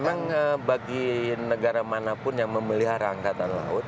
memang bagi negara manapun yang memelihara angkatan laut